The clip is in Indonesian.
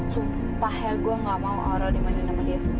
sumpah ya gue nggak mau orang dimanjirin sama dia